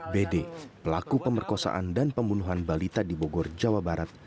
bd pelaku pemerkosaan dan pembunuhan balita di bogor jawa barat